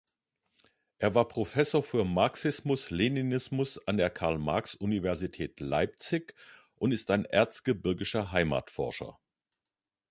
Er war Professor für Marxismus-Leninismus an der Karl-Marx-Universität Leipzig und ist ein erzgebirgischer Heimatforscher.